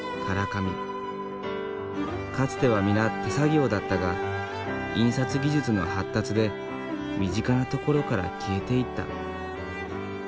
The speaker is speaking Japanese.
かつては皆手作業だったが印刷技術の発達で身近なところから消えていった。